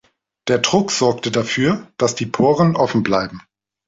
Der Druck sorgte dafür, dass die Poren offen bleiben.